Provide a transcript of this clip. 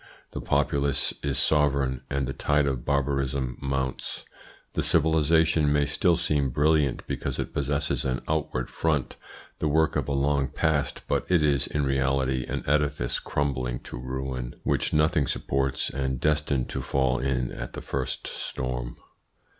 The populace is sovereign, and the tide of barbarism mounts. The civilisation may still seem brilliant because it possesses an outward front, the work of a long past, but it is in reality an edifice crumbling to ruin, which nothing supports, and destined to fall in at the first storm.